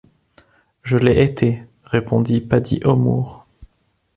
Je l’ai été, répondit Paddy O’Moore.